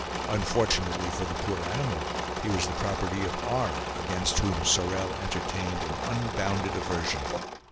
Unfortunately for the poor animal he was the property of R., against whom Sorel entertained an unbounded aversion.